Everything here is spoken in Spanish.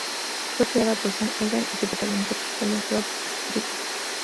Fue creada por Sam Egan y su protagonista principal es Rob Stewart.